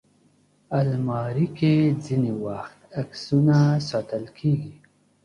الماري کې ځینې وخت عکسونه ساتل کېږي